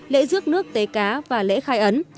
lễ dước nước tế cá và lễ khai ấn